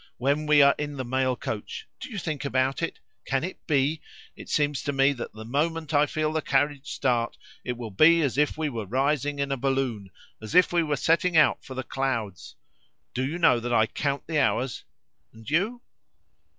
when we are in the mail coach! Do you think about it? Can it be? It seems to me that the moment I feel the carriage start, it will be as if we were rising in a balloon, as if we were setting out for the clouds. Do you know that I count the hours? And you?"